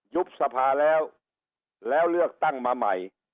ยุบสภาแล้วแล้วเลือกตั้งมาใหม่